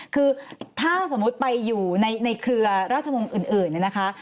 คือถ้าสมมุติไปอยู่ในเครือราชมงค์อื่นเนี่ยนะคะ